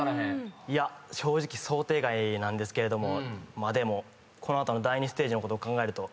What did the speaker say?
いや正直想定外なんですけれどもでもこの後第２ステージのことを考えると。